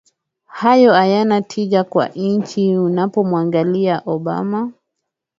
Hayo hayana tija kwa nchi Unapomwangalia Obama